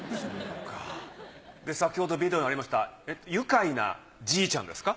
さきほどビデオにありました『ゆかいなじいちゃん』ですか？